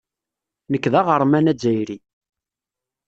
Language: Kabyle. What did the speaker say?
Nekk d aɣerman azzayri.